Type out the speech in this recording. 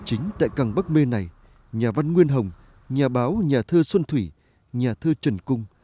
chính tại càng bắc mê này nhà văn nguyên hồng nhà báo nhà thơ xuân thủy nhà thơ trần cung